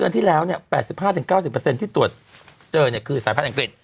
๙๐ที่ตรวจเจอเนี่ยคือสายพันธุ์อังกฤษ